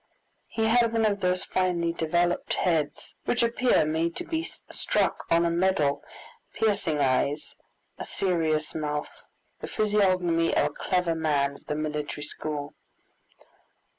He had one of those finely developed heads which appear made to be struck on a medal, piercing eyes, a serious mouth, the physiognomy of a clever man of the military school.